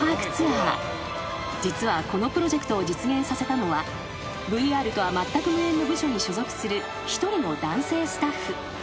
［実はこのプロジェクトを実現させたのはＶＲとはまったく無縁の部署に所属する一人の男性スタッフ］